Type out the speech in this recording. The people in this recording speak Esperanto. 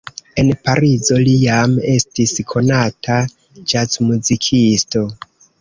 En Parizo li jam estis konata ĵazmuzikisto.